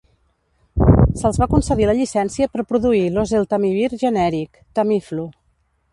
Se'ls va concedir la llicència per produir l'oseltamivir genèric - Tamiflu.